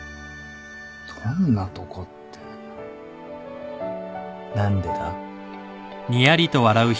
どんなとこって何でだ？